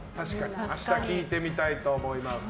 明日、聞いてみたいと思います。